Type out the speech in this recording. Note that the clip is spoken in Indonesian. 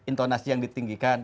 intonasi yang ditinggikan